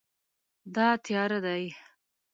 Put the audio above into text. دا تیاره دی